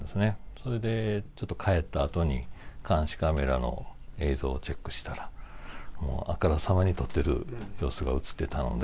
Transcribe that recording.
それでちょっと帰ったあとに監視カメラの映像をチェックしたら、もうあからさまにとってる様子が写ってたので。